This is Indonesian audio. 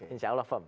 insya allah firm